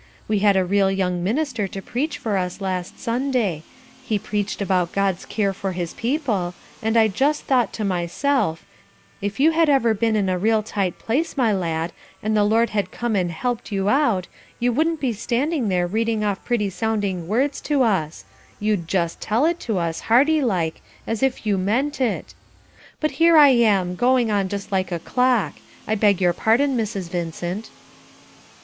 We had a real young minister to preach for us last Sunday; he preached about God's care for his people, and I just thought to myself, 'If you had ever been in a real tight place, my lad, and the Lord had come and helped you out, you wouldn't be standing there reading off pretty sounding words to us; you'd just tell it to us, hearty like, as if you meant it.' But here I am, going on just like a clock; I beg your pardon, Mrs. Vincent."